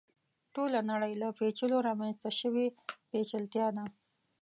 ټوله نړۍ له پېچلو رامنځته شوې پېچلتیا ده.